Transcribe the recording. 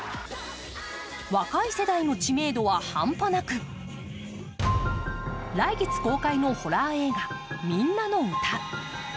若い世代の知名度は半端なく来月公開のホラー映画「ミンナのウタ」